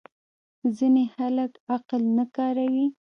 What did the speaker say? ځینې خلک عقل نه کاروي.